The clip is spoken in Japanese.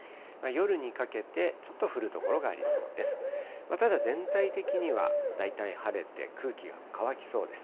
夜にかけて、ちょっと降る所がありそうです。